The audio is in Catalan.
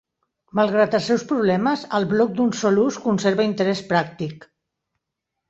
Malgrat els seus problemes, el bloc d'un sol ús conserva interès pràctic.